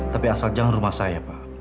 tapi asal jangan rumah saya pak